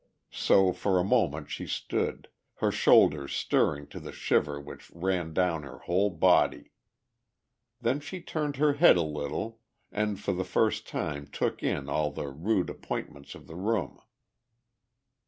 So for a moment she stood, her shoulders stirring to the shiver which ran down her whole body. Then she turned her head a little and for the first time took in all of the rude appointments of the room.